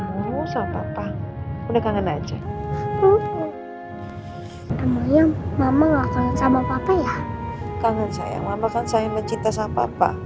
assalamualaikum warahmatullahi wabarakatuh